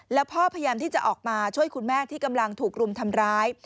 แล้วพ่อพยายามที่จะออกมาช่วยคุณแม่ที่กำลังถูกรุมทำร้าย